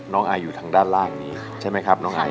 ไออยู่ทางด้านล่างนี้ใช่ไหมครับน้องไอ